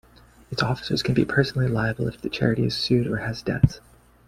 Its officers can be personally liable if the charity is sued or has debts.